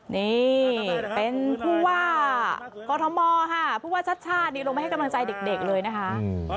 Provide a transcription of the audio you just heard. นี่เป็นผู้ว่ากอทมค่ะผู้ว่าชาติชาตินี่ลงไปให้กำลังใจเด็กเลยนะคะ